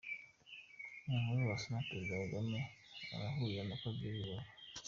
Inkuru wasoma: Perezida Kagame arahurira na Kabila i Rubavu.